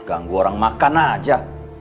ganggu orang makan aja